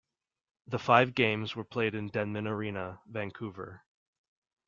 The five games were played in Denman Arena, Vancouver.